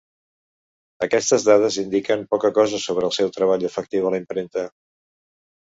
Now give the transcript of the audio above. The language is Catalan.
Aquestes dades indiquen poca cosa sobre el seu treball efectiu a la impremta.